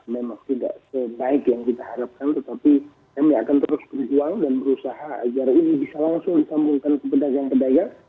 memang tidak sebaik yang kita harapkan tetapi kami akan terus berjuang dan berusaha agar ini bisa langsung disambungkan ke pedagang pedagang